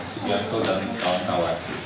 sekian tol dan kawan kawan